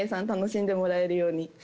楽しんでもらえるように。